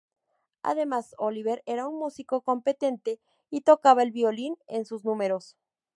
Además, Oliver era un músico competente, y tocaba el violín en sus números.